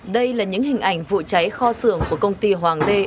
đây là những hình ảnh vụ cháy kho sường của công ty hoàng lê